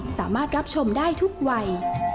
สามารถรับชมได้ทุกวัย